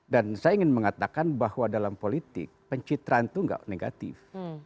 dan saya ingin mengatakan bahwa dalam politik pencitraan itu tidak negatif